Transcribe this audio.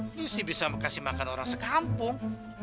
ini sih bisa kasih makan orang sekampung